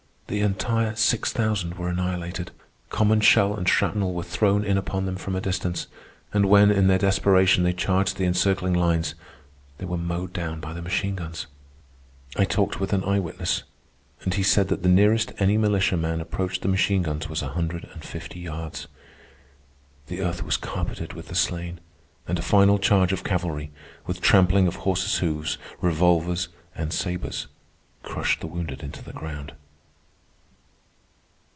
The entire six thousand were annihilated. Common shell and shrapnel were thrown in upon them from a distance, and, when, in their desperation, they charged the encircling lines, they were mowed down by the machine guns. I talked with an eye witness, and he said that the nearest any militiaman approached the machine guns was a hundred and fifty yards. The earth was carpeted with the slain, and a final charge of cavalry, with trampling of horses' hoofs, revolvers, and sabres, crushed the wounded into the ground.